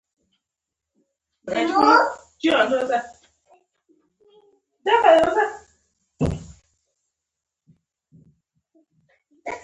د دې څپرکي په لوستلو اړونده ځوابونه پیداکړئ.